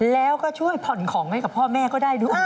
แล้วก็ช่วยผ่อนของให้กับพ่อแม่ก็ได้ด้วย